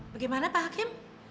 bagaimana pak hakim